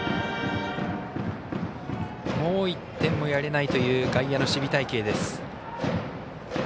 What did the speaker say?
もう１点もやれないという外野の守備隊形。